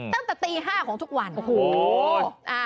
ตั้งแต่ตี๕ของทุกวันโอ้โห